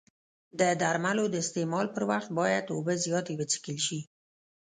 د درملو د استعمال پر وخت باید اوبه زیاتې وڅښل شي.